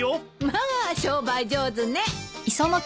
まあ商売上手ね。